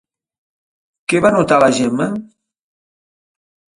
Què va notar la Gemma?